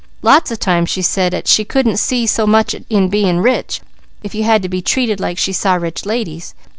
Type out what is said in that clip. Lots of times she said 'at she couldn't see so much in bein' rich if you had to be treated like she saw rich ladies.